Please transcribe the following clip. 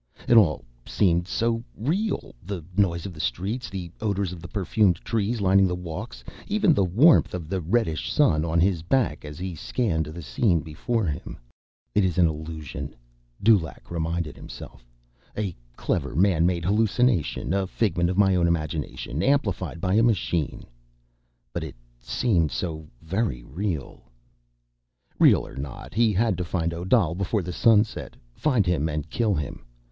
It all seemed so real! The noise of the streets, the odors of the perfumed trees lining the walks, even the warmth of the reddish sun on his back as he scanned the scene before him. It is an illusion, Dulaq reminded himself, a clever man made hallucination. A figment of my own imagination amplified by a machine. But it seemed so very real. Real or not, he had to find Odal before the sun set. Find him and kill him.